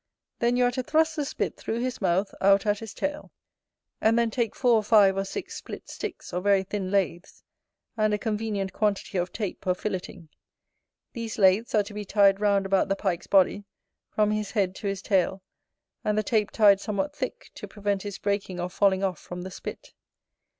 Then you are to thrust the spit through his mouth, out at his tail. And then take four or five or six split sticks, or very thin laths, and a convenient quantity of tape or filleting; these laths are to be tied round about the Pike's body, from his head to his tail, and the tape tied somewhat thick, to prevent his breaking or falling off from the spit.